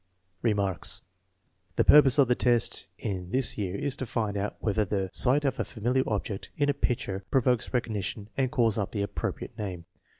1 Remarks. The purpose of the test in this year is to find out whether the sight of a familiar object in a picture pro vokes recognition and calls up the appropriate name.